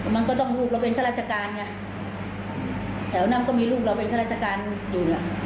มันก็ต้องลูกเราเป็นข้าราชการไงแถวนั้นก็มีลูกเราเป็นข้าราชการอยู่ล่ะ